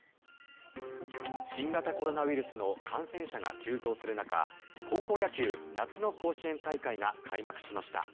新型コロナウイルスの感染者が急増する中高校野球、夏の甲子園大会が開幕しました。